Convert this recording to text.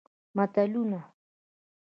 متلونه